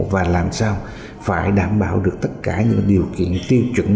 và làm sao phải đảm bảo được tất cả những điều kiện tiêu chuẩn